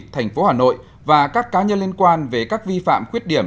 thành phố hà nội và các cá nhân liên quan về các vi phạm khuyết điểm